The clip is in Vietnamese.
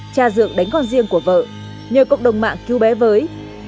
cha dượng đánh con riêng của vợ nhờ cộng đồng mạng cứu bé với